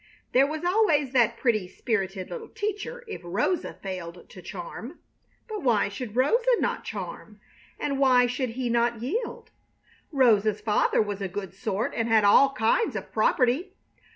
There was always that pretty, spirited little teacher if Rosa failed to charm. But why should Rosa not charm? And why should he not yield? Rosa's father was a good sort and had all kinds of property.